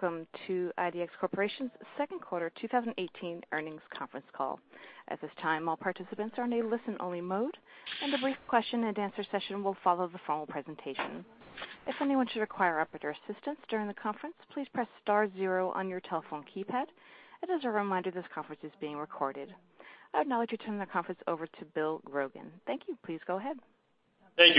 Welcome to IDEX Corporation's second quarter 2018 earnings conference call. At this time, all participants are in a listen-only mode, a brief question and answer session will follow the formal presentation. If anyone should require operator assistance during the conference, please press star zero on your telephone keypad. As a reminder, this conference is being recorded. I would now like to turn the conference over to Bill Grogan. Thank you. Please go ahead. Thank you,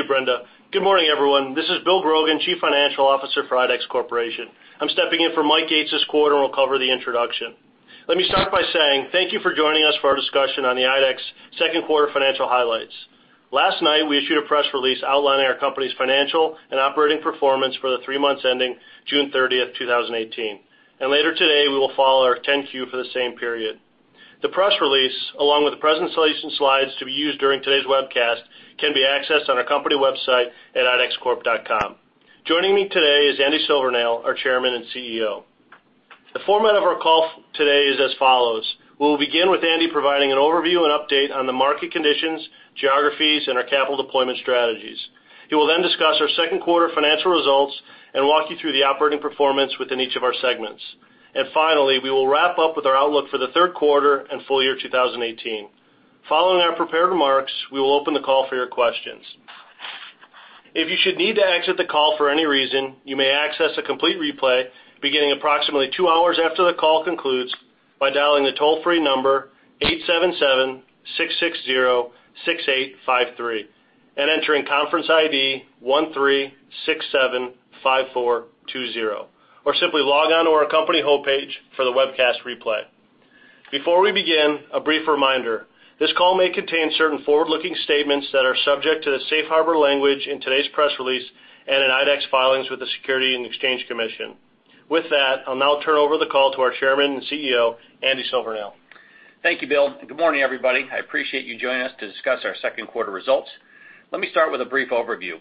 Brenda. Good morning, everyone. This is Bill Grogan, Chief Financial Officer for IDEX Corporation. I am stepping in for Mike Gates this quarter and will cover the introduction. Let me start by saying thank you for joining us for our discussion on the IDEX second quarter financial highlights. Last night, we issued a press release outlining our company's financial and operating performance for the three months ending June 30, 2018. Later today, we will follow our 10-Q for the same period. The press release, along with the presentation slides to be used during today's webcast, can be accessed on our company website at idexcorp.com. Joining me today is Andy Silvernail, our Chairman and Chief Executive Officer. The format of our call today is as follows. We will begin with Andy providing an overview and update on the market conditions, geographies, and our capital deployment strategies. He will then discuss our second quarter financial results and walk you through the operating performance within each of our segments. Finally, we will wrap up with our outlook for the third quarter and full year 2018. Following our prepared remarks, we will open the call for your questions. If you should need to exit the call for any reason, you may access a complete replay beginning approximately two hours after the call concludes by dialing the toll-free number 877-660-6853 and entering conference ID 13675420, or simply log on to our company homepage for the webcast replay. Before we begin, a brief reminder. This call may contain certain forward-looking statements that are subject to the safe harbor language in today's press release and in IDEX filings with the Securities and Exchange Commission. With that, I will now turn over the call to our Chairman and Chief Executive Officer, Andy Silvernail. Thank you, Bill. Good morning, everybody. I appreciate you joining us to discuss our second quarter results. Let me start with a brief overview.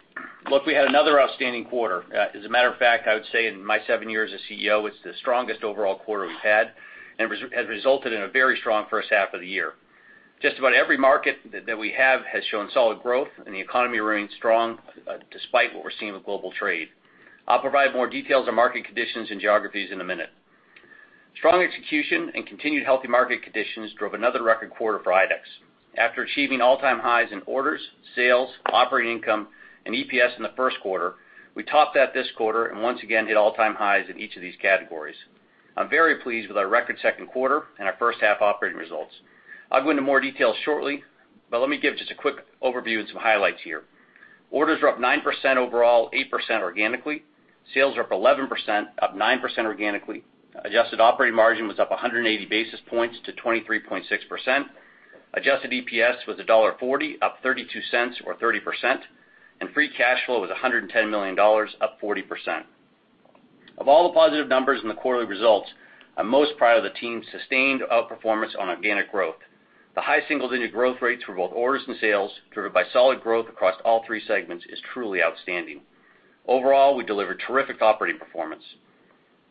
Look, we had another outstanding quarter. As a matter of fact, I would say in my seven years as CEO, it is the strongest overall quarter we have had and has resulted in a very strong first half of the year. Just about every market that we have has shown solid growth, and the economy remains strong despite what we are seeing with global trade. I will provide more details on market conditions and geographies in a minute. Strong execution and continued healthy market conditions drove another record quarter for IDEX. After achieving all-time highs in orders, sales, operating income, and EPS in the first quarter, we topped that this quarter and once again hit all-time highs in each of these categories. I'm very pleased with our record second quarter and our first half operating results. I'll go into more details shortly, but let me give just a quick overview and some highlights here. Orders are up 9% overall, 8% organically. Sales are up 11%, up 9% organically. Adjusted operating margin was up 180 basis points to 23.6%. Adjusted EPS was $1.40, up $0.32 or 30%, and free cash flow was $110 million, up 40%. Of all the positive numbers in the quarterly results, I'm most proud of the team's sustained outperformance on organic growth. The high single-digit growth rates for both orders and sales, driven by solid growth across all three segments, is truly outstanding. Overall, we delivered terrific operating performance.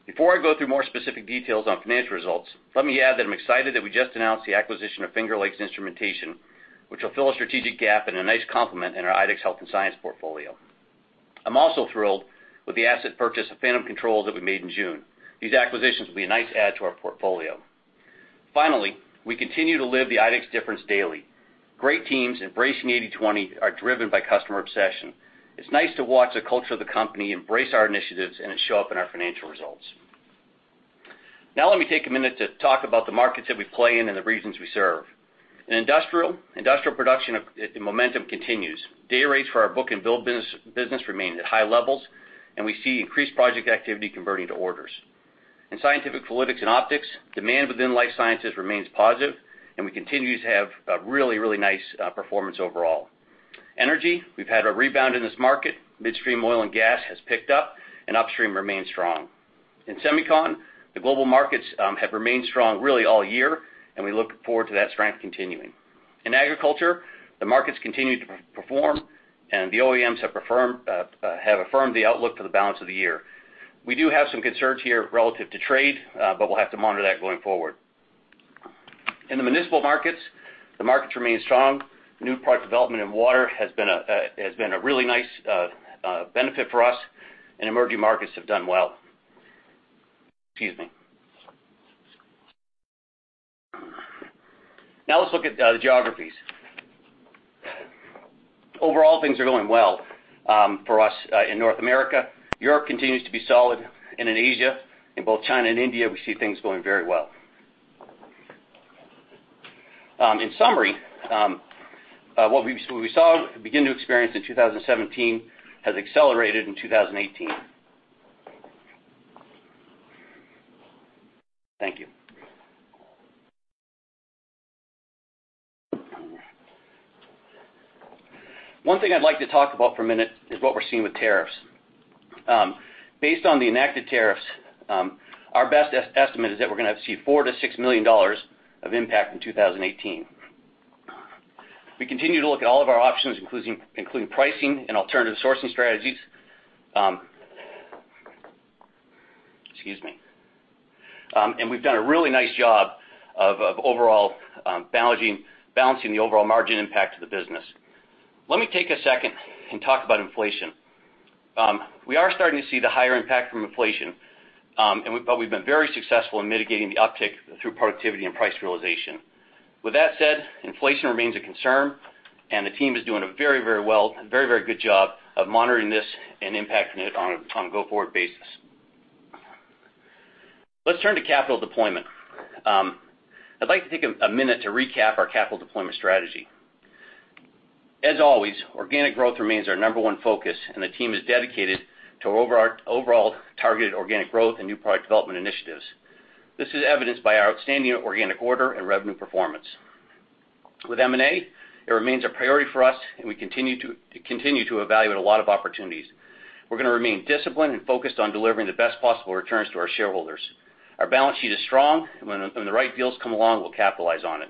Before I go through more specific details on financial results, let me add that I'm excited that we just announced the acquisition of Finger Lakes Instrumentation, which will fill a strategic gap and a nice complement in our IDEX Health & Science portfolio. I'm also thrilled with the asset purchase of Phantom Controls that we made in June. These acquisitions will be a nice add to our portfolio. Finally, we continue to live the IDEX difference daily. Great teams embracing 80/20 are driven by customer obsession. It's nice to watch the culture of the company embrace our initiatives and it show up in our financial results. Let me take a minute to talk about the markets that we play in and the regions we serve. In industrial production momentum continues. Day rates for our book-and-build business remain at high levels, and we see increased project activity converting to orders. In scientific fluids and optics, demand within life sciences remains positive, and we continue to have a really nice performance overall. Energy, we've had a rebound in this market. Midstream oil and gas has picked up, and upstream remains strong. In semicon, the global markets have remained strong really all year, and we look forward to that strength continuing. In agriculture, the markets continue to perform, and the OEMs have affirmed the outlook for the balance of the year. We do have some concerns here relative to trade, but we'll have to monitor that going forward. In the municipal markets, the markets remain strong. New product development in water has been a really nice benefit for us, and emerging markets have done well. Excuse me. Let's look at the geographies. Overall, things are going well for us in North America. Europe continues to be solid. In Asia, in both China and India, we see things going very well. In summary, what we saw begin to experience in 2017 has accelerated in 2018. Thank you. One thing I'd like to talk about for a minute is what we're seeing with tariffs. Based on the enacted tariffs, our best estimate is that we're going to see $4 million-$6 million of impact in 2018. We continue to look at all of our options, including pricing and alternative sourcing strategies. Excuse me. We've done a really nice job of balancing the overall margin impact to the business. Let me take a second and talk about inflation. We are starting to see the higher impact from inflation, but we've been very successful in mitigating the uptick through productivity and price realization. With that said, inflation remains a concern, and the team is doing a very good job of monitoring this and impacting it on a go-forward basis. Let's turn to capital deployment. I'd like to take a minute to recap our capital deployment strategy. As always, organic growth remains our number one focus, and the team is dedicated to our overall targeted organic growth and new product development initiatives. This is evidenced by our outstanding organic order and revenue performance. M&A, it remains a priority for us, and we continue to evaluate a lot of opportunities. We're going to remain disciplined and focused on delivering the best possible returns to our shareholders. Our balance sheet is strong, and when the right deals come along, we'll capitalize on it.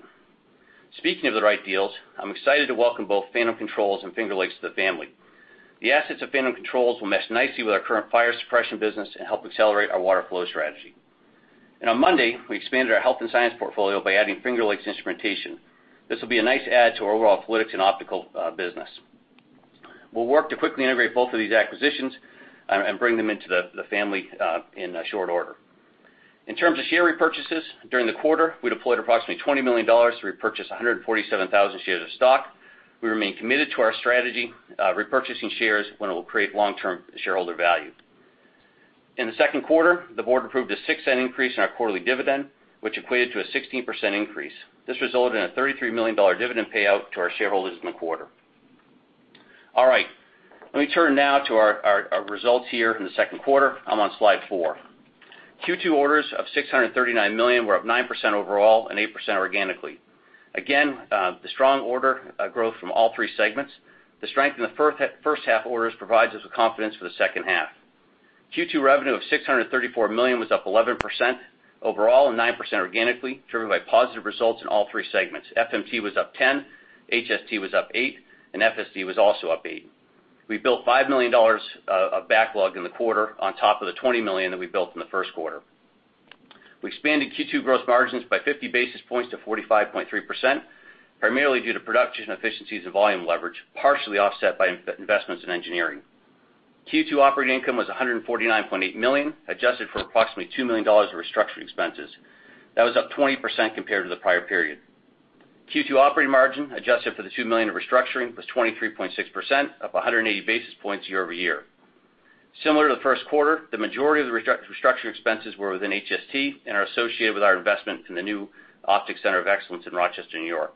Speaking of the right deals, I'm excited to welcome both Phantom Controls and Finger Lakes to the family. The assets of Phantom Controls will mesh nicely with our current fire suppression business and help accelerate our water flow strategy. On Monday, we expanded our Health & Science portfolio by adding Finger Lakes Instrumentation. This will be a nice add to our overall fluidics and optical business. We'll work to quickly integrate both of these acquisitions and bring them into the family in a short order. In terms of share repurchases, during the quarter, we deployed approximately $20 million to repurchase 147,000 shares of stock. We remain committed to our strategy of repurchasing shares when it will create long-term shareholder value. In the second quarter, the board approved a $0.06 increase in our quarterly dividend, which equated to a 16% increase. This resulted in a $33 million dividend payout to our shareholders in the quarter. All right. Let me turn now to our results here in the second quarter. I'm on slide four. Q2 orders of $639 million were up 9% overall and 8% organically. Again, the strong order growth from all three segments. The strength in the first half orders provides us with confidence for the second half. Q2 revenue of $634 million was up 11% overall and 9% organically, driven by positive results in all three segments. FMT was up 10%, HST was up 8%, and FSD was also up 8%. We built $5 million of backlog in the quarter on top of the $20 million that we built in the first quarter. We expanded Q2 gross margins by 50 basis points to 45.3%, primarily due to production efficiencies and volume leverage, partially offset by investments in engineering. Q2 operating income was $149.8 million, adjusted for approximately $2 million in restructuring expenses. That was up 20% compared to the prior period. Q2 operating margin, adjusted for the $2 million in restructuring, was 23.6%, up 180 basis points year-over-year. Similar to the first quarter, the majority of the restructuring expenses were within HST and are associated with our investment in the new Optics Center of Excellence in Rochester, New York.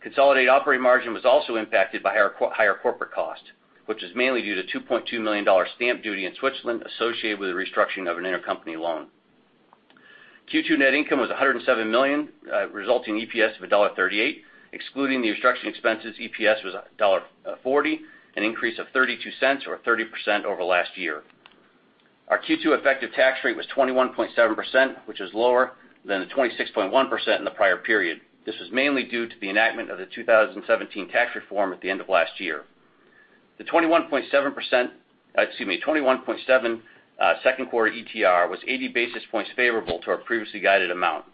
Consolidated operating margin was also impacted by higher corporate cost, which was mainly due to $2.2 million stamp duty in Switzerland associated with the restructuring of an intercompany loan. Q2 net income was $107 million, resulting in EPS of $1.38. Excluding the restructuring expenses, EPS was $1.40, an increase of $0.32 or 30% over last year. Our Q2 effective tax rate was 21.7%, which is lower than the 26.1% in the prior period. This was mainly due to the enactment of the 2017 Tax Reform at the end of last year. The 21.7 second quarter ETR was 80 basis points favorable to our previously guided amount.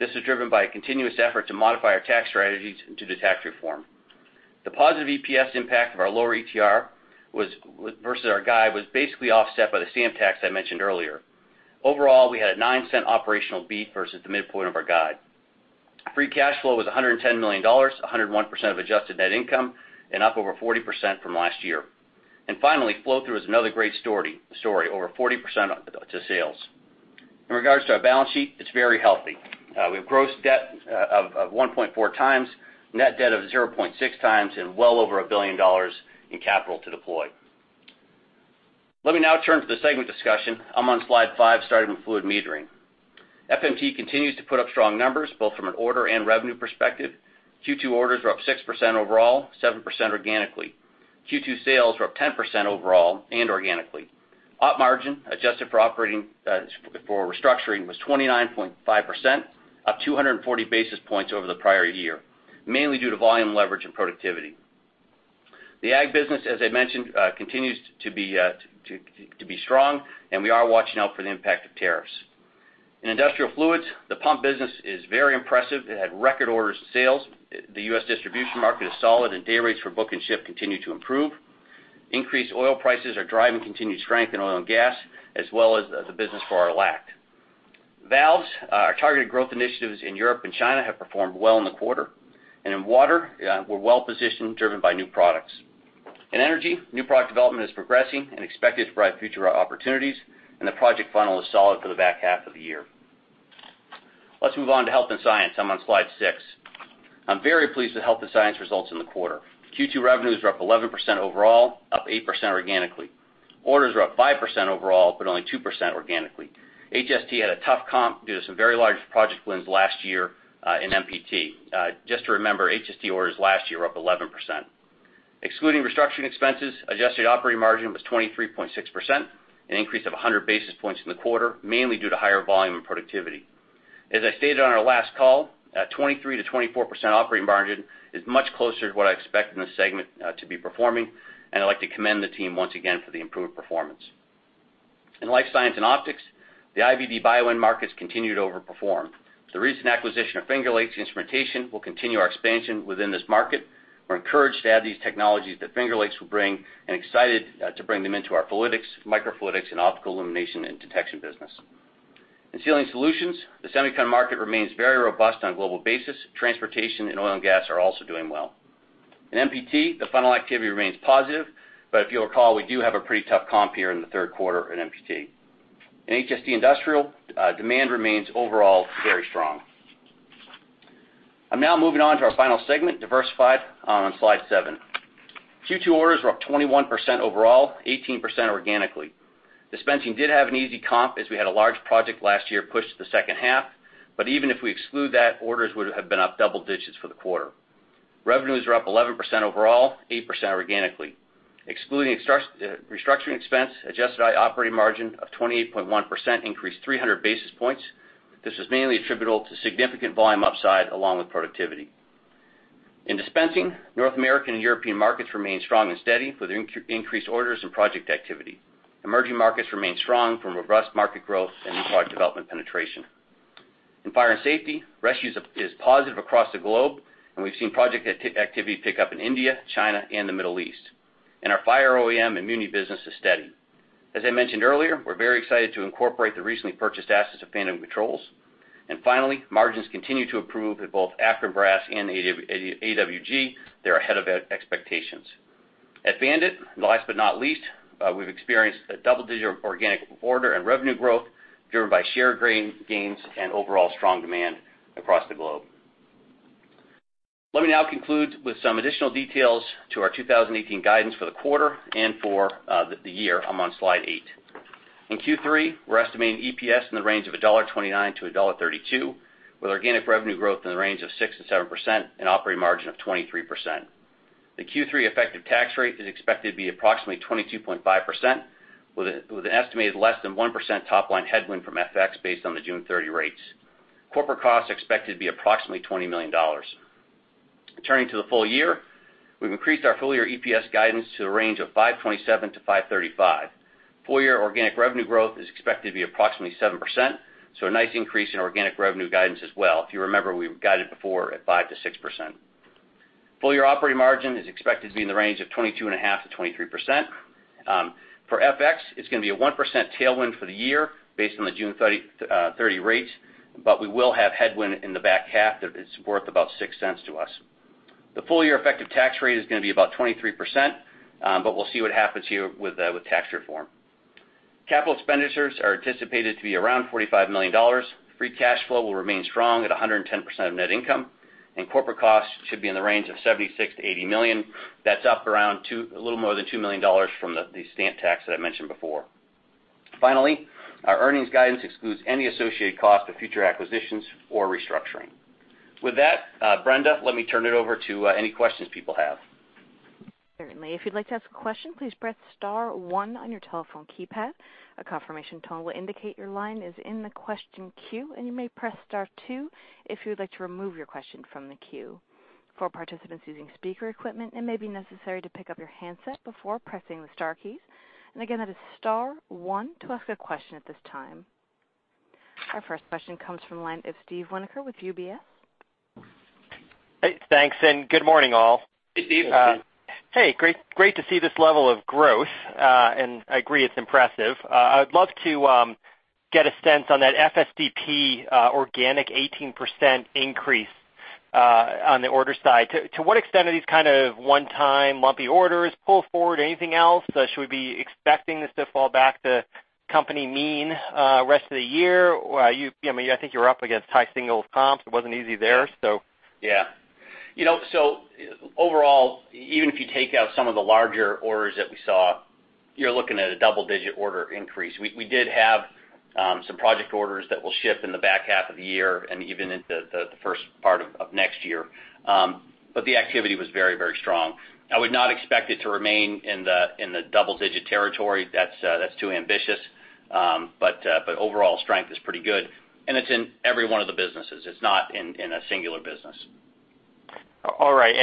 This is driven by a continuous effort to modify our tax strategies due to Tax Reform. The positive EPS impact of our lower ETR versus our guide was basically offset by the stamp tax I mentioned earlier. Overall, we had a $0.09 operational beat versus the midpoint of our guide. Free cash flow was $110 million, 101% of adjusted net income, and up over 40% from last year. Finally, flow-through is another great story, over 40% to sales. In regards to our balance sheet, it's very healthy. We have gross debt of 1.4 times, net debt of 0.6 times, and well over $1 billion in capital to deploy. Let me now turn to the segment discussion. I'm on slide five, starting with Fluid Metering. FMT continues to put up strong numbers, both from an order and revenue perspective. Q2 orders were up 6% overall, 7% organically. Q2 sales were up 10% overall and organically. Op margin, adjusted for restructuring, was 29.5%, up 240 basis points over the prior year, mainly due to volume leverage and productivity. The ag business, as I mentioned, continues to be strong, and we are watching out for the impact of tariffs. In industrial fluids, the pump business is very impressive. It had record orders and sales. The U.S. distribution market is solid, and day rates for book and ship continue to improve. Increased oil prices are driving continued strength in oil and gas, as well as the business for our [LAC]. Valves, our targeted growth initiatives in Europe and China have performed well in the quarter. In water, we're well-positioned, driven by new products. In energy, new product development is progressing and expected to provide future opportunities, and the project funnel is solid for the back half of the year. Let's move on to Health and Science. I'm on slide six. I'm very pleased with Health and Science results in the quarter. Q2 revenues were up 11% overall, up 8% organically. Orders were up 5% overall, but only 2% organically. HST had a tough comp due to some very large project wins last year in MPT. Just to remember, HST orders last year were up 11%. Excluding restructuring expenses, adjusted operating margin was 23.6%, an increase of 100 basis points in the quarter, mainly due to higher volume and productivity. As I stated on our last call, a 23%-24% operating margin is much closer to what I expect in this segment to be performing, and I'd like to commend the team once again for the improved performance. In Life Science and Optics, the IVD bio end markets continued to overperform. The recent acquisition of Finger Lakes Instrumentation will continue our expansion within this market. We're encouraged to add these technologies that Finger Lakes will bring and excited to bring them into our fluidics, microfluidics, and optical illumination and detection business. In Sealing Solutions, the semiconductor market remains very robust on a global basis. Transportation and oil and gas are also doing well. In MPT, the funnel activity remains positive, but if you'll recall, we do have a pretty tough comp here in the third quarter in MPT. In HST Industrial, demand remains overall very strong. I'm now moving on to our final segment, diversified, on slide seven. Q2 orders were up 21% overall, 18% organically. Dispensing did have an easy comp as we had a large project last year pushed to the second half, but even if we exclude that, orders would have been up double digits for the quarter. Revenues were up 11% overall, 8% organically. Excluding restructuring expense, adjusted operating margin of 28.1% increased 300 basis points. This was mainly attributable to significant volume upside along with productivity. In dispensing, North American and European markets remain strong and steady with increased orders and project activity. Emerging markets remain strong from robust market growth and new product development penetration. In Fire & Safety, rescues is positive across the globe, we've seen project activity pick up in India, China, and the Middle East. Our fire OEM and muni business is steady. As I mentioned earlier, we're very excited to incorporate the recently purchased assets of Phantom Controls. Finally, margins continue to improve at both Akron Brass and AWG. They're ahead of expectations. At BAND-IT, last but not least, we've experienced a double-digit organic order and revenue growth driven by share gains and overall strong demand across the globe. Let me now conclude with some additional details to our 2018 guidance for the quarter and for the year. I'm on slide eight. In Q3, we're estimating EPS in the range of $1.29 to $1.32, with organic revenue growth in the range of 6%-7% and operating margin of 23%. The Q3 effective tax rate is expected to be approximately 22.5%, with an estimated less than 1% top-line headwind from FX based on the June 30 rates. Corporate costs are expected to be approximately $20 million. Turning to the full year, we've increased our full-year EPS guidance to the range of $5.27 to $5.35. Full-year organic revenue growth is expected to be approximately 7%, a nice increase in organic revenue guidance as well. If you remember, we guided before at 5%-6%. Full-year operating margin is expected to be in the range of 22.5%-23%. For FX, it's going to be a 1% tailwind for the year based on the June 30 rates, but we will have headwind in the back half that is worth about $0.06 to us. The full-year effective tax rate is going to be about 23%. We'll see what happens here with tax reform. Capital expenditures are anticipated to be around $45 million. Free cash flow will remain strong at 110% of net income. Corporate costs should be in the range of $76 million-$80 million. That's up around a little more than $2 million from the stamp tax that I mentioned before. Finally, our earnings guidance excludes any associated cost of future acquisitions or restructuring. With that, Brenda, let me turn it over to any questions people have. Certainly. If you'd like to ask a question, please press *1 on your telephone keypad. A confirmation tone will indicate your line is in the question queue, and you may press *2 if you would like to remove your question from the queue. For participants using speaker equipment, it may be necessary to pick up your handset before pressing the star keys. Again, that is *1 to ask a question at this time. Our first question comes from the line of Steven Winoker with UBS. Hey, thanks, good morning, all. Hey, Steve. Hey, great to see this level of growth, I agree, it's impressive. I would love to get a sense on that FSDP organic 18% increase on the order side. To what extent are these kind of one-time lumpy orders, pull forward, anything else? Should we be expecting this to fall back to company mean rest of the year? I think you were up against high single comps. It wasn't easy there. Overall, even if you take out some of the larger orders that we saw, you're looking at a double-digit order increase. We did have some project orders that will ship in the back half of the year and even into the first part of next year. The activity was very, very strong. I would not expect it to remain in the double-digit territory. That's too ambitious. Overall strength is pretty good, and it's in every one of the businesses. It's not in a singular business. All right.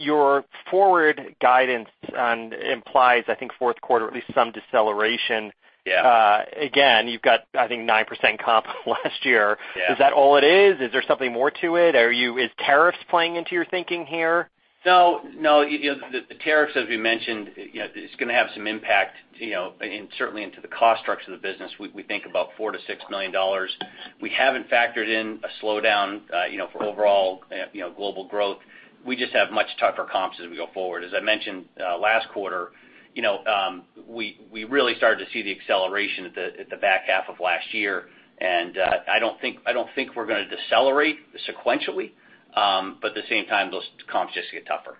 Your forward guidance implies, I think, fourth quarter, at least some deceleration. Yeah. Again, you've got, I think, 9% comp last year. Yeah. Is that all it is? Is there something more to it? Is tariffs playing into your thinking here? No. The tariffs, as we mentioned, it's going to have some impact, and certainly into the cost structure of the business, we think about $4 million-$6 million. We haven't factored in a slowdown for overall global growth. We just have much tougher comps as we go forward. As I mentioned last quarter, we really started to see the acceleration at the back half of last year, and I don't think we're going to decelerate sequentially, but at the same time, those comps just get tougher.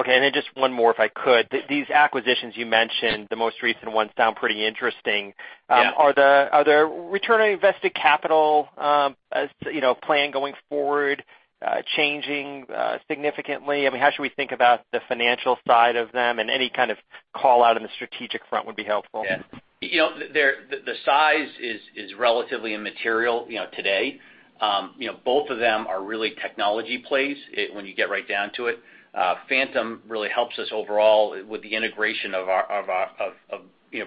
Okay. Just one more, if I could. These acquisitions you mentioned, the most recent ones sound pretty interesting. Yeah. Are there return on invested capital plan going forward changing significantly? How should we think about the financial side of them, and any kind of call-out on the strategic front would be helpful. Yeah. The size is relatively immaterial today. Both of them are really technology plays when you get right down to it. Phantom really helps us overall with the integration of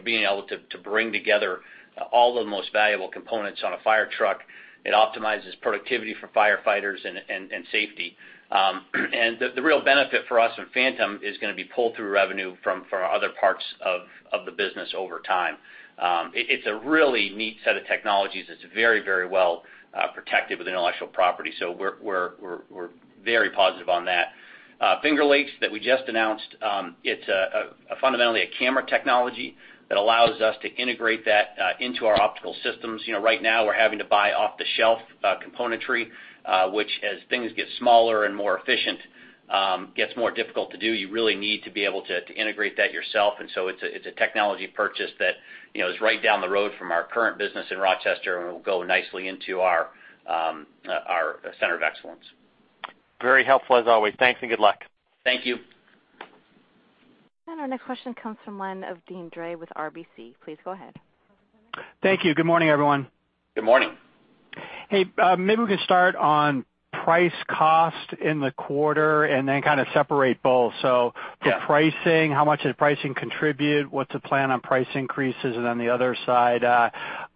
being able to bring together all the most valuable components on a fire truck. It optimizes productivity for firefighters and safety. The real benefit for us in Phantom is going to be pull-through revenue from our other parts of the business over time. It's a really neat set of technologies. It's very well protected with intellectual property, so we're very positive on that. Finger Lakes, that we just announced, it's fundamentally a camera technology that allows us to integrate that into our optical systems. Right now we're having to buy off-the-shelf componentry, which as things get smaller and more efficient, gets more difficult to do. You really need to be able to integrate that yourself. It's a technology purchase that is right down the road from our current business in Rochester and will go nicely into our Center of Excellence. Very helpful as always. Thanks and good luck. Thank you. Our next question comes from the line of Deane Dray with RBC. Please go ahead. Thank you. Good morning, everyone. Good morning. Hey, maybe we could start on price cost in the quarter and then kind of separate both. Yeah for pricing, how much did pricing contribute? What's the plan on price increases? On the other side,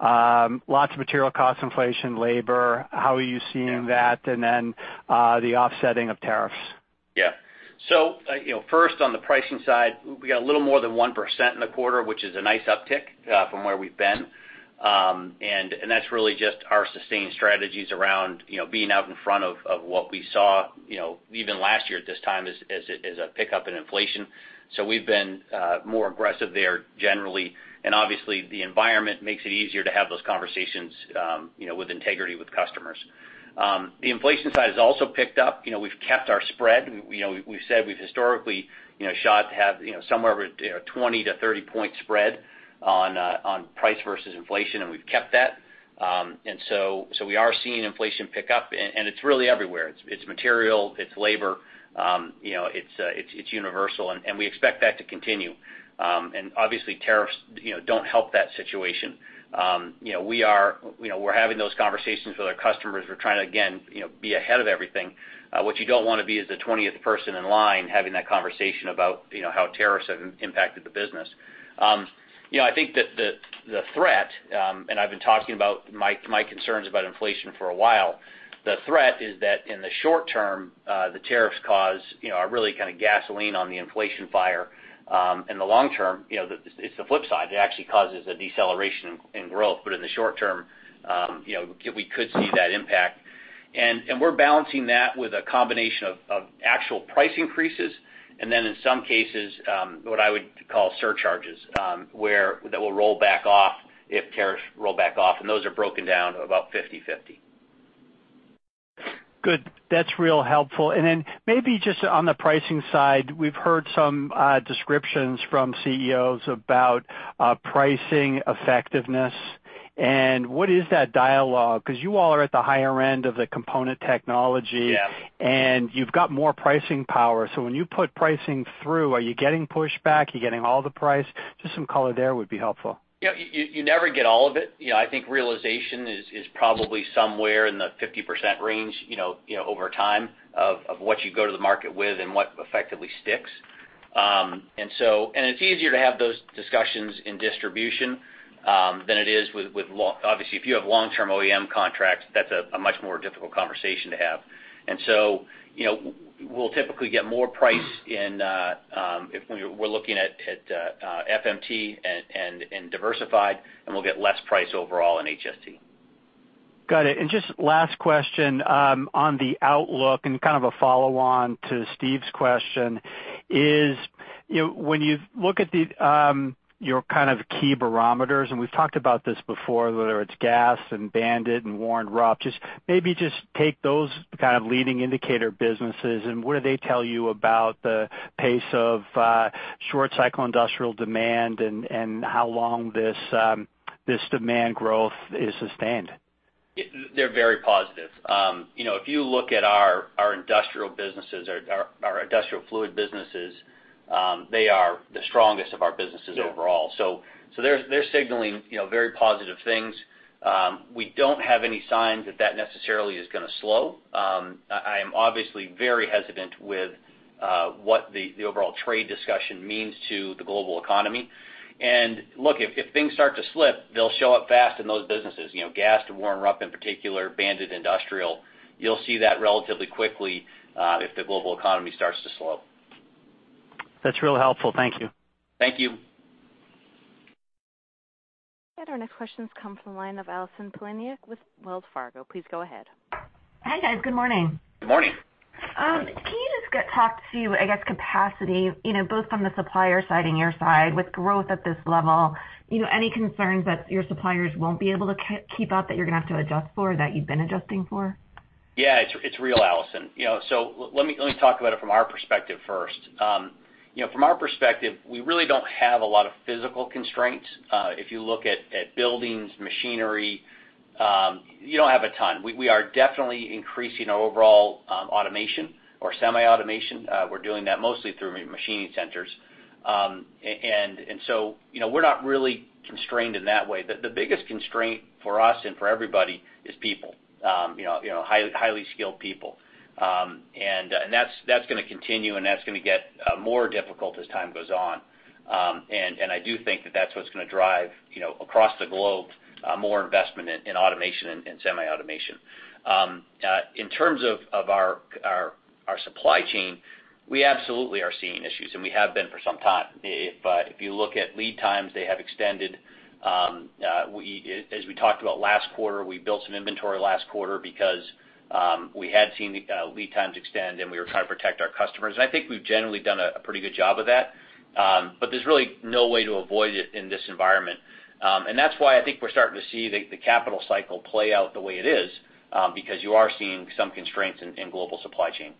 lots of material cost inflation, labor, how are you seeing that? Then the offsetting of tariffs. First on the pricing side, we got a little more than 1% in the quarter, which is a nice uptick from where we've been. That's really just our sustained strategies around being out in front of what we saw even last year at this time as a pickup in inflation. We've been more aggressive there generally, obviously the environment makes it easier to have those conversations with integrity with customers. The inflation side has also picked up. We've kept our spread. We've said we've historically shot to have somewhere over 20-30 point spread on price versus inflation, we've kept that. We are seeing inflation pick up, it's really everywhere. It's material, it's labor, it's universal, we expect that to continue. Obviously tariffs don't help that situation. We're having those conversations with our customers. We're trying to, again, be ahead of everything. What you don't want to be is the 20th person in line having that conversation about how tariffs have impacted the business. I think that the threat, and I've been talking about my concerns about inflation for a while, the threat is that in the short term, the tariffs cause are really kind of gasoline on the inflation fire. In the long term, it's the flip side. It actually causes a deceleration in growth. In the short term, we could see that impact. We're balancing that with a combination of actual price increases, then in some cases, what I would call surcharges, that will roll back off if tariffs roll back off, those are broken down about 50/50. Good. That's real helpful. Then maybe just on the pricing side, we've heard some descriptions from CEOs about pricing effectiveness, what is that dialogue? Because you all are at the higher end of the component technology- Yeah You've got more pricing power. When you put pricing through, are you getting pushback? Are you getting all the price? Just some color there would be helpful. You never get all of it. I think realization is probably somewhere in the 50% range, over time, of what you go to the market with and what effectively sticks. It's easier to have those discussions in distribution than it is with, obviously, if you have long-term OEM contracts, that's a much more difficult conversation to have. We'll typically get more price if we're looking at FMT and diversified, and we'll get less price overall in HST. Got it. Just last question, on the outlook and kind of a follow-on to Steve's question is, when you look at your kind of key barometers, and we've talked about this before, whether it's Gast and BAND-IT and Warren Rupp, just maybe just take those kind of leading indicator businesses and what do they tell you about the pace of short cycle industrial demand and how long this demand growth is sustained? They're very positive. If you look at our industrial businesses, our industrial fluid businesses, they are the strongest of our businesses overall. Yeah. They're signaling very positive things. We don't have any signs that that necessarily is going to slow. I am obviously very hesitant with what the overall trade discussion means to the global economy. Look, if things start to slip, they'll show up fast in those businesses. Gast and Warren Rupp in particular, BAND-IT Industrial, you'll see that relatively quickly if the global economy starts to slow. That's real helpful. Thank you. Thank you. Our next question comes from the line of Allison Poliniak-Cusic with Wells Fargo. Please go ahead. Hi, guys. Good morning. Good morning. Can you just talk to, I guess, capacity, both from the supplier side and your side with growth at this level? Any concerns that your suppliers won't be able to keep up that you're going to have to adjust for, that you've been adjusting for? Yeah, it's real, Allison. Let me talk about it from our perspective first. From our perspective, we really don't have a lot of physical constraints. If you look at buildings, machinery, you don't have a ton. We are definitely increasing our overall automation or semi-automation. We're doing that mostly through machining centers. We're not really constrained in that way. The biggest constraint for us and for everybody is people, highly skilled people. That's going to continue, and that's going to get more difficult as time goes on. I do think that that's what's going to drive, across the globe, more investment in automation and semi-automation. In terms of our supply chain, we absolutely are seeing issues, and we have been for some time. If you look at lead times, they have extended. As we talked about last quarter, we built some inventory last quarter because we had seen lead times extend, and we were trying to protect our customers. I think we've generally done a pretty good job of that. There's really no way to avoid it in this environment. That's why I think we're starting to see the capital cycle play out the way it is, because you are seeing some constraints in global supply chain.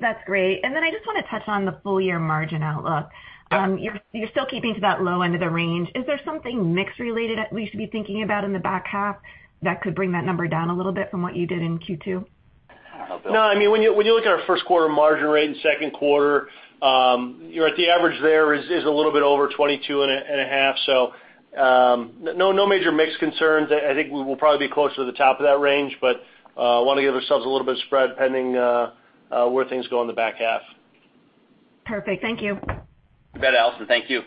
That's great. I just want to touch on the full-year margin outlook. Yeah. You're still keeping to that low end of the range. Is there something mix-related that we should be thinking about in the back half that could bring that number down a little bit from what you did in Q2? I don't know, Bill. When you look at our first quarter margin rate and second quarter, the average there is a little bit over 22.5, so no major mix concerns. I think we will probably be closer to the top of that range, but want to give ourselves a little bit of spread pending where things go in the back half. Perfect. Thank you. You bet, Allison. Thank you.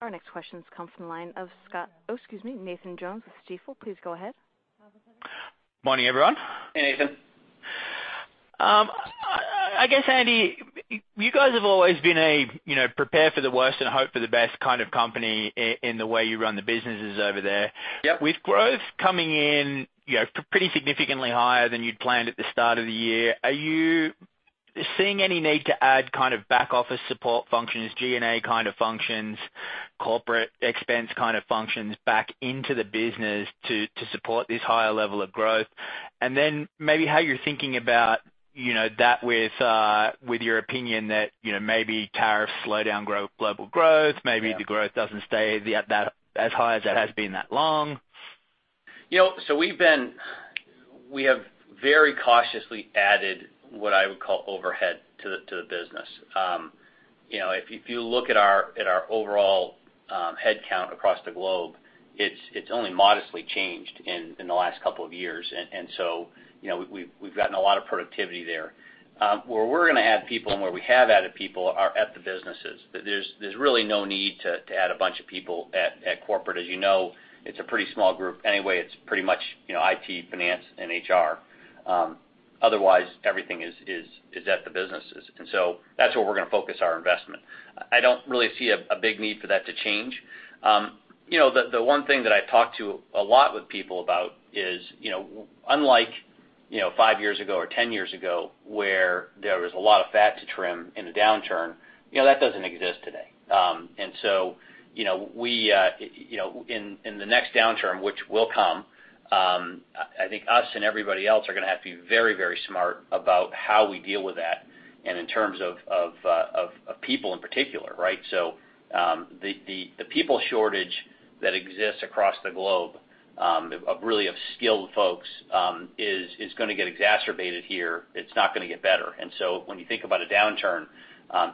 Our next questions come from the line of Nathan Jones of Stifel. Please go ahead. Morning, everyone. Hey, Nathan. I guess, Andy, you guys have always been a prepare for the worst and hope for the best kind of company in the way you run the businesses over there. Yep. With growth coming in pretty significantly higher than you'd planned at the start of the year, are you seeing any need to add kind of back office support functions, G&A kind of functions, corporate expense kind of functions back into the business to support this higher level of growth? Then maybe how you're thinking about that with your opinion that maybe tariffs slow down global growth. Yeah. Maybe the growth doesn't stay as high as it has been that long. We have very cautiously added what I would call overhead to the business. If you look at our overall headcount across the globe, it's only modestly changed in the last couple of years. We've gotten a lot of productivity there. Where we're going to add people and where we have added people are at the businesses. There's really no need to add a bunch of people at corporate. As you know, it's a pretty small group anyway. It's pretty much IT, finance, and HR. Otherwise, everything is at the businesses. That's where we're going to focus our investment. I don't really see a big need for that to change. The one thing that I talk to a lot with people about is, unlike five years ago or 10 years ago, where there was a lot of fat to trim in a downturn, that doesn't exist today. In the next downturn, which will come, I think us and everybody else are going to have to be very, very smart about how we deal with that, and in terms of people in particular, right? The people shortage that exists across the globe, really of skilled folks, is going to get exacerbated here. It's not going to get better. When you think about a downturn,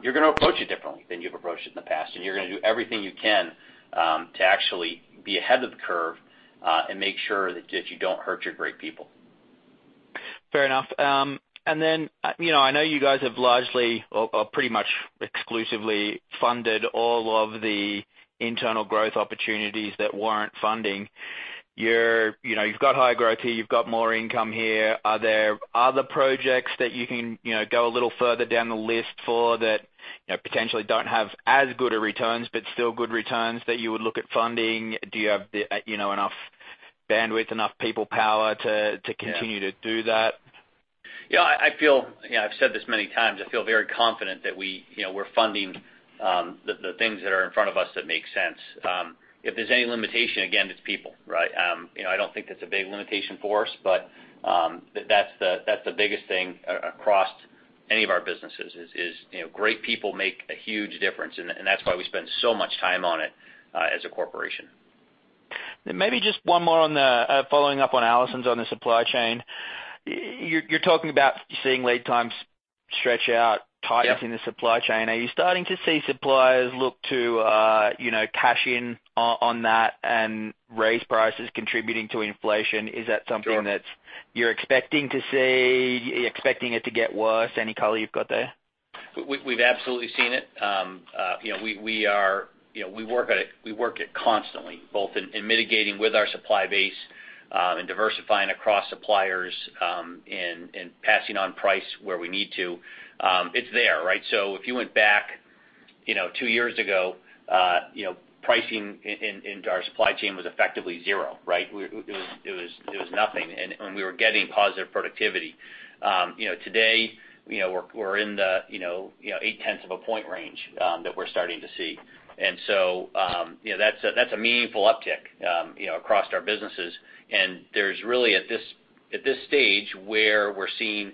you're going to approach it differently than you've approached it in the past, and you're going to do everything you can to actually be ahead of the curve, and make sure that you don't hurt your great people. Fair enough. I know you guys have largely, or pretty much exclusively funded all of the internal growth opportunities that warrant funding. You've got high growth here, you've got more income here. Are there other projects that you can go a little further down the list for that potentially don't have as good a returns, but still good returns that you would look at funding? Do you have enough bandwidth, enough people power to continue to do that? Yeah. I've said this many times. I feel very confident that we're funding the things that are in front of us that make sense. If there's any limitation, again, it's people, right? I don't think that's a big limitation for us, but that's the biggest thing across any of our businesses is great people make a huge difference, and that's why we spend so much time on it as a corporation. Maybe just one more on the, following up on Allison's on the supply chain. You're talking about seeing lead times stretch out- Yeah tightness in the supply chain. Are you starting to see suppliers look to cash in on that and raise prices contributing to inflation? Is that something that- Sure you're expecting to see? Are you expecting it to get worse? Any color you've got there? We've absolutely seen it. We work at it constantly, both in mitigating with our supply base, in diversifying across suppliers, in passing on price where we need to. It's there, right? If you went back two years ago, pricing into our supply chain was effectively zero, right? It was nothing, and we were getting positive productivity. Today, we're in the eight tenths of a point range that we're starting to see. That's a meaningful uptick across our businesses, and there's really At this stage, where we're seeing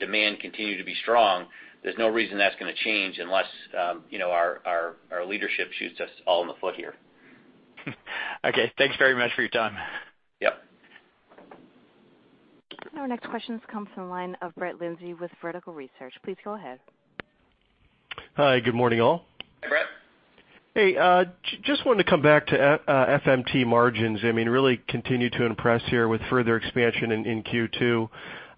demand continue to be strong, there's no reason that's going to change unless our leadership shoots us all in the foot here. Okay, thanks very much for your time. Yep. Our next question comes from the line of Brett Linzey with Vertical Research. Please go ahead. Hi. Good morning, all. Hi, Brett. Hey, just wanted to come back to FMT margins. Really continue to impress here with further expansion in Q2.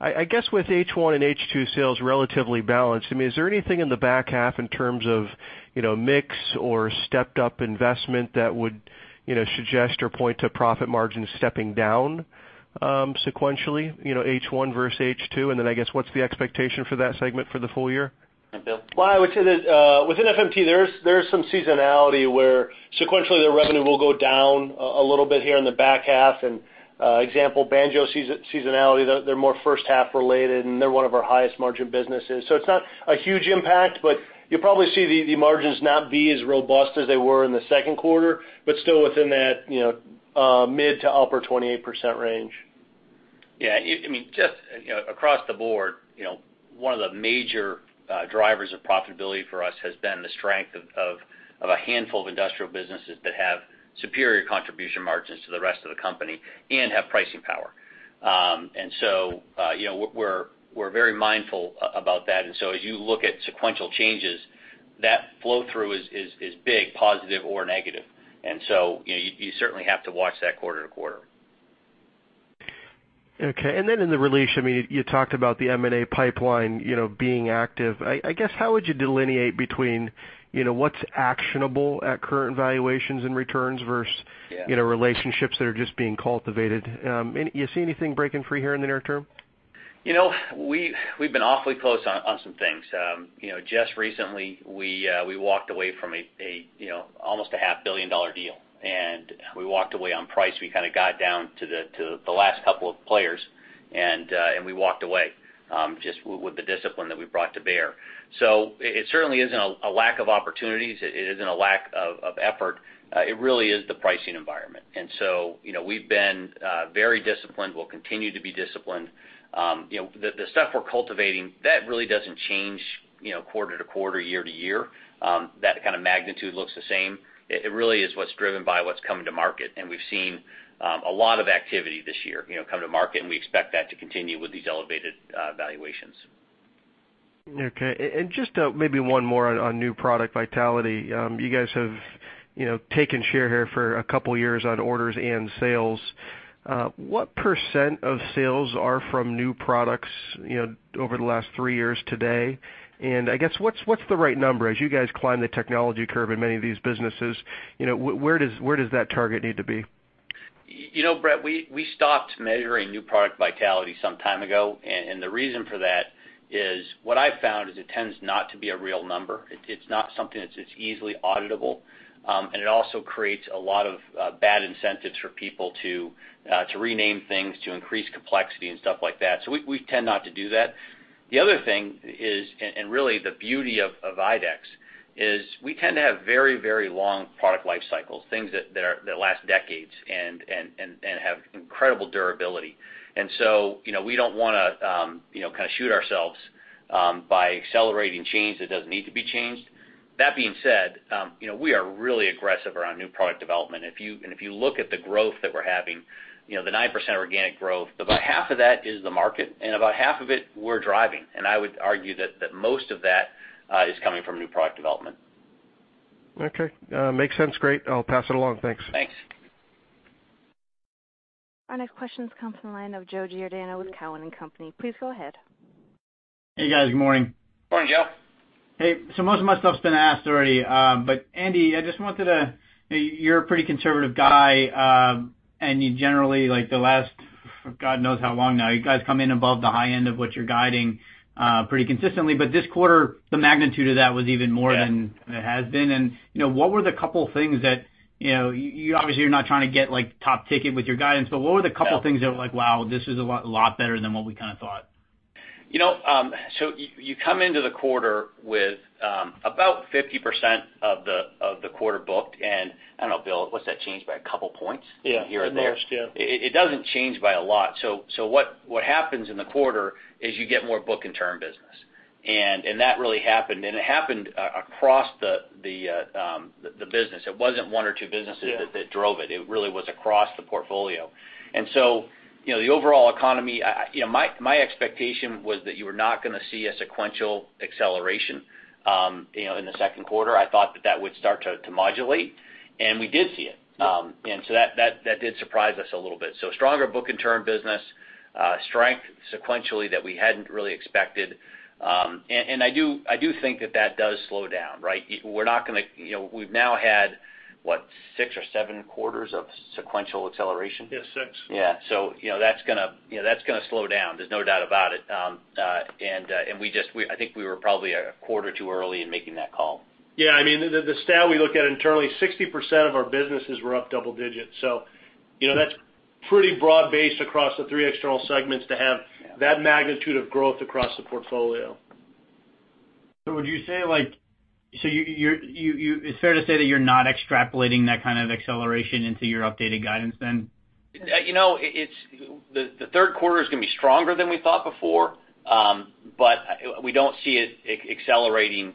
I guess, with H1 and H2 sales relatively balanced, is there anything in the back half in terms of mix or stepped up investment that would suggest or point to profit margins stepping down sequentially, H1 versus H2? I guess, what's the expectation for that segment for the full year? Bill? Well, I would say that within FMT, there is some seasonality where sequentially the revenue will go down a little bit here in the back half. Example, Banjo seasonality, they're more first-half related, and they're one of our highest margin businesses. It's not a huge impact, but you'll probably see the margins not be as robust as they were in the second quarter, but still within that mid to upper 28% range. Yeah. Just across the board, one of the major drivers of profitability for us has been the strength of a handful of industrial businesses that have superior contribution margins to the rest of the company and have pricing power. We're very mindful about that. As you look at sequential changes, that flow-through is big, positive or negative. You certainly have to watch that quarter to quarter. Okay. In the release, you talked about the M&A pipeline being active. I guess, how would you delineate between what's actionable at current valuations and returns? Yeah relationships that are just being cultivated? Do you see anything breaking free here in the near term? We've been awfully close on some things. Just recently, we walked away from almost a half billion dollar deal. We walked away on price. We kind of got down to the last couple of players. We walked away, just with the discipline that we brought to bear. It certainly isn't a lack of opportunities. It isn't a lack of effort. It really is the pricing environment. We've been very disciplined. We'll continue to be disciplined. The stuff we're cultivating, that really doesn't change quarter-to-quarter, year-to-year. That kind of magnitude looks the same. It really is what's driven by what's coming to market. We've seen a lot of activity this year come to market, and we expect that to continue with these elevated valuations. Okay. Just maybe one more on new product vitality. You guys have taken share here for a couple of years on orders and sales. What % of sales are from new products over the last three years today? I guess, what's the right number? As you guys climb the technology curve in many of these businesses, where does that target need to be? Brett, we stopped measuring new product vitality some time ago. The reason for that is what I've found is it tends not to be a real number. It's not something that's easily auditable. It also creates a lot of bad incentives for people to rename things, to increase complexity and stuff like that. We tend not to do that. The other thing is, really the beauty of IDEX, is we tend to have very long product life cycles, things that last decades and have incredible durability. We don't want to kind of shoot ourselves by accelerating change that doesn't need to be changed. That being said, we are really aggressive around new product development. If you look at the growth that we're having, the 9% organic growth, about half of that is the market and about half of it we're driving. I would argue that most of that is coming from new product development. Okay. Makes sense. Great. I'll pass it along. Thanks. Thanks. Our next question comes from the line of Joe Giordano with Cowen and Company. Please go ahead. Hey, guys. Good morning. Morning, Joe. Hey, most of my stuff's been asked already. Andy, I just wanted to You're a pretty conservative guy, and you generally, like the last God knows how long now, you guys come in above the high end of what you're guiding pretty consistently. This quarter, the magnitude of that was even more than- Yeah it has been. What were the couple things that, you obviously are not trying to get top ticket with your guidance, but what were the couple things that were like, "Wow, this is a lot better than what we kind of thought"? You come into the quarter with about 50% of the quarter booked. I don't know, Bill, what's that change by a couple points here or there? Yeah, at most, yeah. It doesn't change by a lot. What happens in the quarter is you get more book-in-turn business. That really happened, and it happened across the business. It wasn't one or two businesses- Yeah that drove it. It really was across the portfolio. The overall economy, my expectation was that you were not going to see a sequential acceleration in the second quarter. I thought that that would start to modulate. We did see it. That did surprise us a little bit. Stronger book-in-turn business strength sequentially that we hadn't really expected. I do think that that does slow down, right? We've now had, what, six or seven quarters of sequential acceleration? Yeah. Six. Yeah. That's going to slow down. There's no doubt about it. I think we were probably a quarter too early in making that call. Yeah. I mean, the stat we look at internally, 60% of our businesses were up double digits. That's pretty broad-based across the three external segments to have that magnitude of growth across the portfolio. It's fair to say that you're not extrapolating that kind of acceleration into your updated guidance then? The third quarter is going to be stronger than we thought before, we don't see it accelerating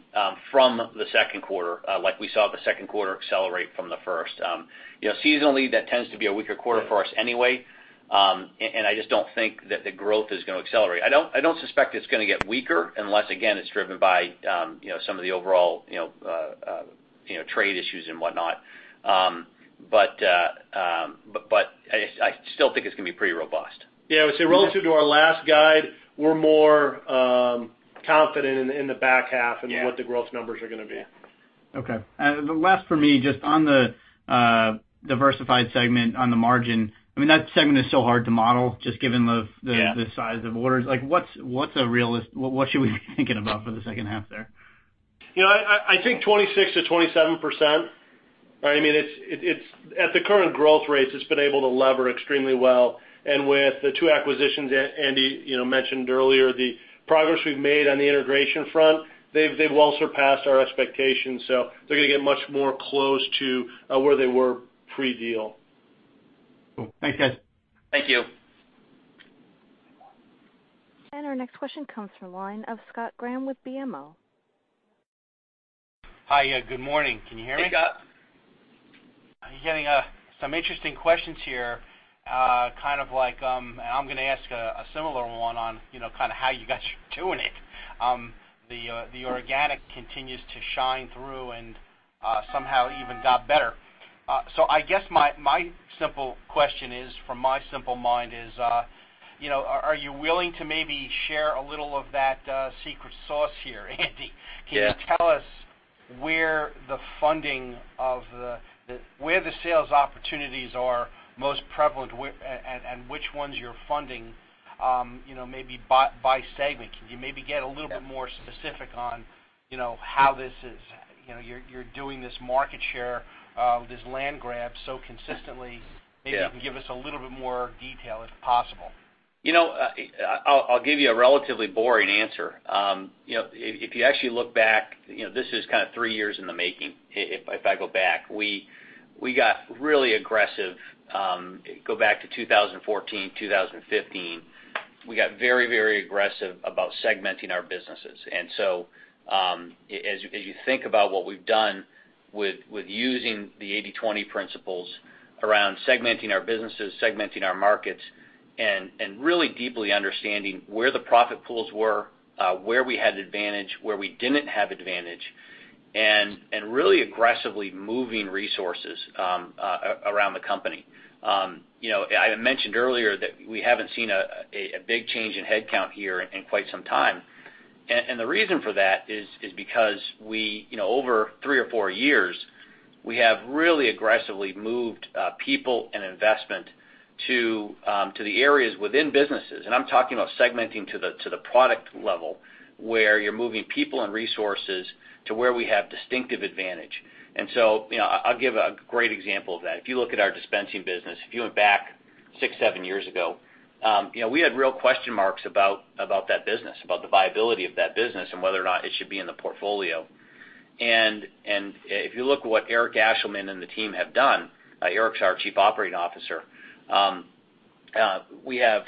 from the second quarter like we saw the second quarter accelerate from the first. Seasonally, that tends to be a weaker quarter for us anyway, and I just don't think that the growth is going to accelerate. I don't suspect it's going to get weaker unless, again, it's driven by some of the overall trade issues and whatnot. I still think it's going to be pretty robust. Yeah. I would say relative to our last guide, we're more confident in the back half Yeah in what the growth numbers are going to be. Yeah. Okay. The last for me, just on the diversified segment on the margin, that segment is so hard to model, just given the Yeah the size of orders. What should we be thinking about for the second half there? I think 26%-27%. At the current growth rates, it's been able to lever extremely well. With the two acquisitions Andy mentioned earlier, the progress we've made on the integration front, they've well surpassed our expectations. They're going to get much more close to where they were pre-deal. Cool. Thanks, guys. Thank you. Our next question comes from the line of Scott Graham with BMO. Hi. Good morning. Can you hear me? Hey, Scott. I'm getting some interesting questions here, kind of like I'm going to ask a similar one on how you guys are doing it. The organic continues to shine through and somehow even got better. I guess my simple question is, from my simple mind is, are you willing to maybe share a little of that secret sauce here, Andy? Yeah. Can you tell us where the sales opportunities are most prevalent, and which ones you're funding maybe by segment? Can you maybe get a little bit more specific on how you're doing this market share, this land grab so consistently? Yeah. Maybe you can give us a little bit more detail, if possible. I'll give you a relatively boring answer. If you actually look back, this is kind of three years in the making, if I go back. We got really aggressive, go back to 2014, 2015. We got very aggressive about segmenting our businesses. As you think about what we've done with using the 80/20 principles around segmenting our businesses, segmenting our markets, and really deeply understanding where the profit pools were, where we had advantage, where we didn't have advantage, and really aggressively moving resources around the company. I mentioned earlier that we haven't seen a big change in headcount here in quite some time. The reason for that is because over three or four years, we have really aggressively moved people and investment to the areas within businesses. I'm talking about segmenting to the product level, where you're moving people and resources to where we have distinctive advantage. I'll give a great example of that. If you look at our dispensing business, if you went back six, seven years ago, we had real question marks about that business, about the viability of that business, and whether or not it should be in the portfolio. If you look what Eric Ashleman and the team have done, Eric's our Chief Operating Officer, we have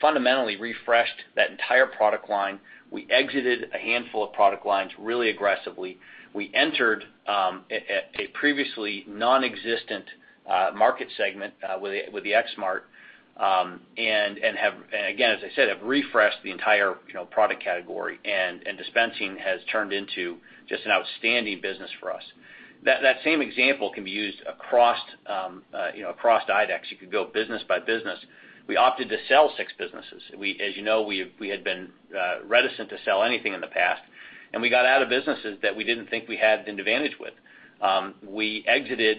fundamentally refreshed that entire product line. We exited a handful of product lines really aggressively. We entered a previously non-existent market segment with the X-Smart. Again, as I said, have refreshed the entire product category, and dispensing has turned into just an outstanding business for us. That same example can be used across IDEX. You could go business by business. We opted to sell six businesses. As you know, we had been reticent to sell anything in the past. We got out of businesses that we didn't think we had an advantage with. We exited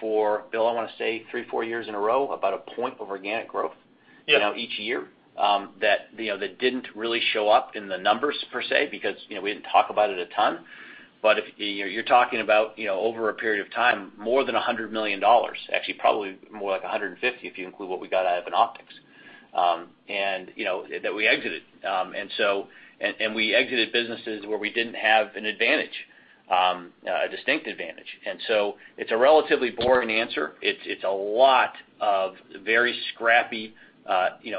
for, Bill, I want to say three, four years in a row, about a point of organic growth- Yeah each year. That didn't really show up in the numbers per se, because we didn't talk about it a ton. You're talking about over a period of time, more than $100 million. Actually, probably more like $150 if you include what we got out of an optics that we exited. We exited businesses where we didn't have an advantage, a distinct advantage. It's a relatively boring answer. It's a lot of very scrappy,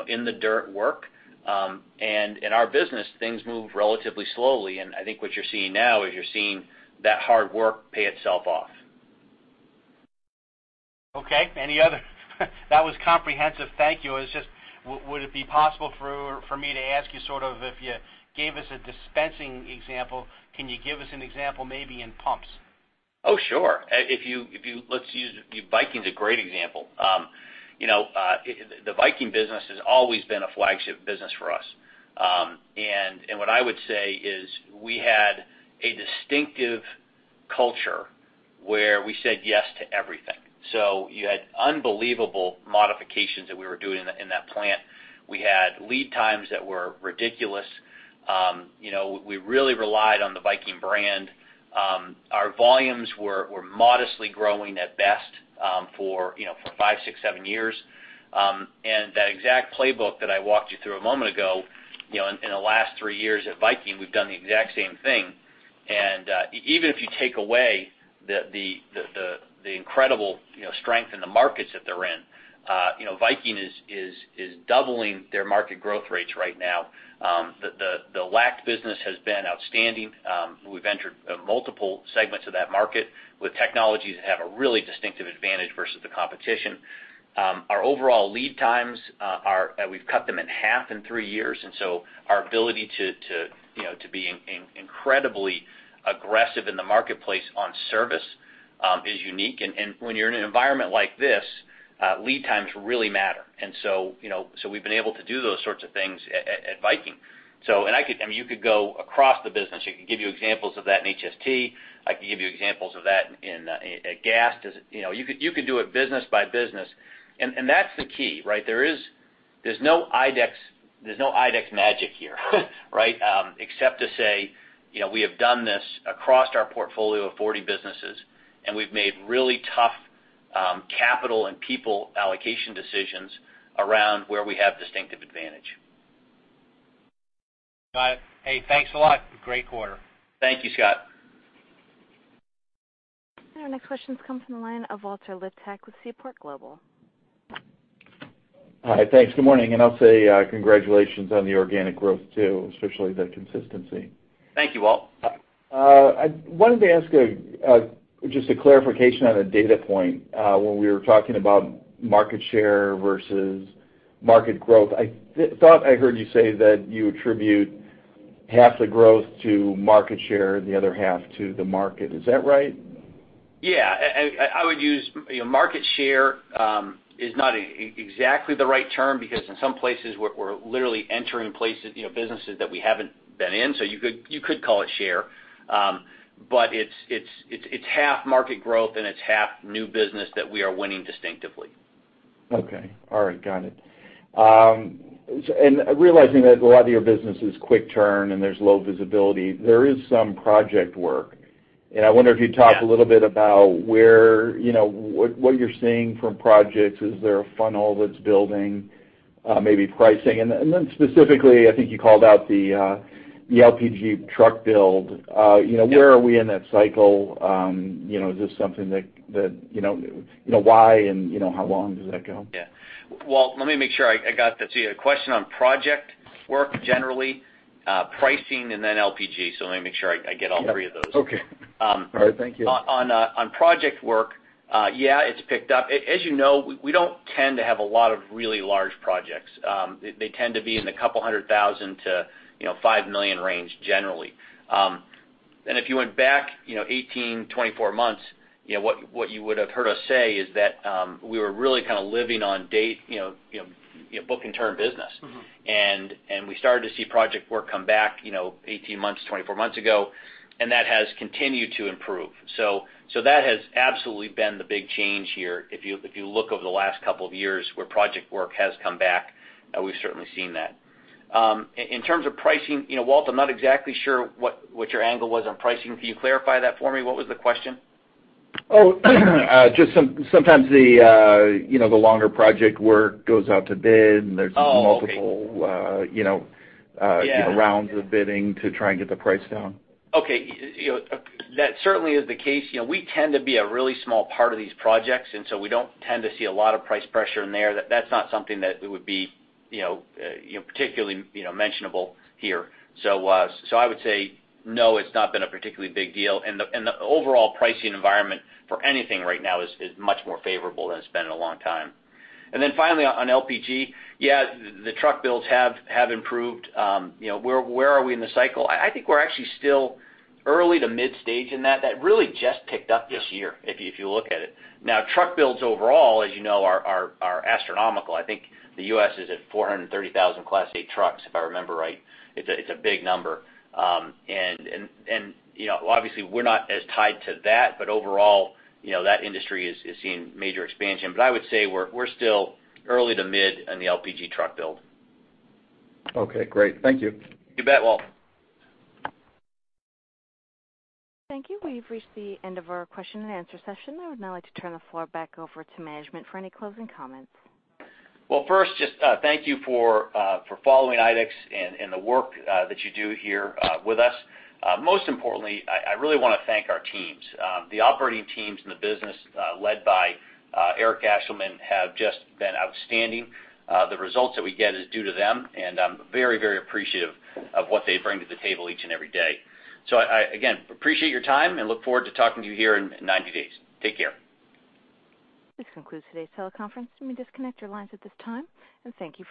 in the dirt work. In our business, things move relatively slowly, and I think what you're seeing now is you're seeing that hard work pay itself off. Okay. That was comprehensive. Thank you. Would it be possible for me to ask you sort of, if you gave us a dispensing example, can you give us an example maybe in pumps? Oh, sure. Viking's a great example. The Viking business has always been a flagship business for us. What I would say is we had a distinctive culture where we said yes to everything. You had unbelievable modifications that we were doing in that plant. We had lead times that were ridiculous. We really relied on the Viking brand. Our volumes were modestly growing at best. For five, six, seven years. That exact playbook that I walked you through a moment ago, in the last three years at Viking, we've done the exact same thing. Even if you take away the incredible strength in the markets that they're in, Viking is doubling their market growth rates right now. The LAC business has been outstanding. We've entered multiple segments of that market with technologies that have a really distinctive advantage versus the competition. Our overall lead times, we've cut them in half in three years, our ability to be incredibly aggressive in the marketplace on service is unique. When you're in an environment like this, lead times really matter. We've been able to do those sorts of things at Viking. You could go across the business. I could give you examples of that in HST. I could give you examples of that at Gast. You could do it business by business, and that's the key, right? There's no IDEX magic here, right? Except to say, we have done this across our portfolio of 40 businesses, and we've made really tough capital and people allocation decisions around where we have distinctive advantage. Got it. Hey, thanks a lot. Great quarter. Thank you, Scott. Our next question comes from the line of Walter Liptak with Seaport Global. Hi, thanks. Good morning, I'll say congratulations on the organic growth too, especially the consistency. Thank you, Walt. I wanted to ask just a clarification on a data point. When we were talking about market share versus market growth, I thought I heard you say that you attribute half the growth to market share and the other half to the market. Is that right? Yeah. I would use, market share is not exactly the right term because in some places we're literally entering places, businesses that we haven't been in. You could call it share. It's half market growth and it's half new business that we are winning distinctively. Okay. All right. Got it. Realizing that a lot of your business is quick turn and there's low visibility, there is some project work. I wonder if you'd talk a little bit about what you're seeing from projects. Is there a funnel that's building, maybe pricing? Specifically, I think you called out the LPG truck build. Yeah. Where are we in that cycle? Why and how long does that go? Yeah. Walt, let me make sure I got this. You had a question on project work generally, pricing, and then LPG. Let me make sure I get all three of those. Okay. All right. Thank you. On project work, yeah, it's picked up. As you know, we don't tend to have a lot of really large projects. They tend to be in the $200,000-$5 million range generally. If you went back 18, 24 months, what you would have heard us say is that we were really kind of living on date, book and turn business. We started to see project work come back 18 months, 24 months ago, and that has continued to improve. That has absolutely been the big change here if you look over the last couple of years where project work has come back, we've certainly seen that. In terms of pricing, Walt, I'm not exactly sure what your angle was on pricing. Can you clarify that for me? What was the question? Just sometimes the longer project work goes out to bid and Okay multiple rounds of bidding to try and get the price down. Okay. That certainly is the case. We don't tend to see a lot of price pressure in there. That's not something that would be particularly mentionable here. I would say no, it's not been a particularly big deal. The overall pricing environment for anything right now is much more favorable than it's been in a long time. Finally on LPG, yeah, the truck builds have improved. Where are we in the cycle? I think we're actually still early to mid stage in that. That really just picked up this year- Yeah if you look at it. Truck builds overall, as you know, are astronomical. I think the U.S. is at 430,000 Class 8 trucks if I remember right. It's a big number. Obviously we're not as tied to that, but overall, that industry is seeing major expansion. I would say we're still early to mid on the LPG truck build. Okay, great. Thank you. You bet, Walt. Thank you. We've reached the end of our question and answer session. I would now like to turn the floor back over to management for any closing comments. Well, first, just thank you for following IDEX and the work that you do here with us. Most importantly, I really want to thank our teams. The operating teams and the business led by Eric Ashleman have just been outstanding. The results that we get is due to them, and I'm very, very appreciative of what they bring to the table each and every day. Again, appreciate your time and look forward to talking to you here in 90 days. Take care. This concludes today's teleconference. You may disconnect your lines at this time. Thank you for your participation.